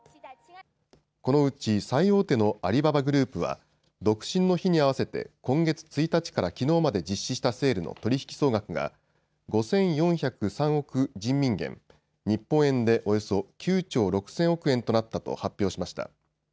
このうち最大手のアリババグループは独身の日に合わせて今月１日からきのうまで実施したセールの取引総額が５４０３億人民元、日本円でおよそ９兆６０００億円となったと発表しました。